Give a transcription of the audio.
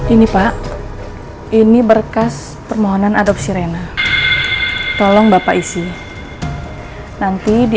ini pak ini berkas permohonan adopsi rena tolong bapak isi nanti di